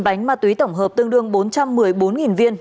ba bánh ma túy tổng hợp tương đương bốn trăm một mươi bốn viên